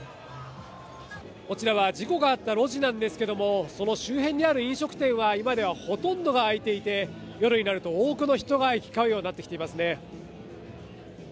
こちらは事故があった路地なんですけども、その周辺にある飲食店は今ではほとんどが開いていて、夜になると多くの人が行き交うようになってきていますね。